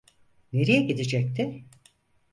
Nereye gidecekti?